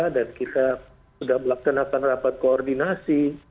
dan kita sudah melaksanakan rapat koordinasi